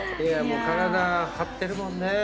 いやもう体張ってるもんね。